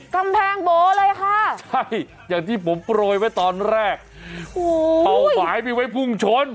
กำแพงโบ๊ะเลยค่ะอยากที่ผมปล่อยไว้ตอนแรกเอาสาปนิจให้ไว้ภูมิชน